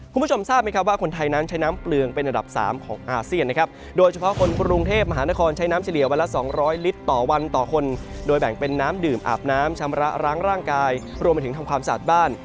คุณผู้ชมทราบไหมครับว่าคนไทยนั้นใช้น้ำเปลืองเป็นระดับสามของอาเซียนนะครับโดยเฉพาะคนกรุงเทพมหานครใช้น้ำเฉลี่ยวันละสองร้อยลิตรต่อวันต่อคนโดยแบ่งเป็นน้ำดื่มอาบน้ำชำระร้างร่างกายรวมไปถึงทำความสะอาดบ้าน